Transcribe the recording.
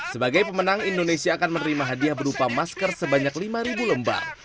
sebagai pemenang indonesia akan menerima hadiah berupa masker sebanyak lima lembar